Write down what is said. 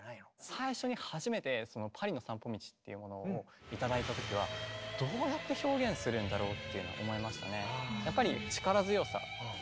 最初に初めて「パリの散歩道」っていうものを頂いたときはどうやって表現するんだろうっていうのは思いましたね。